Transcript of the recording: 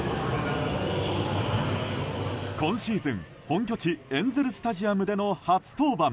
今シーズン、本拠地エンゼル・スタジアムでの初登板。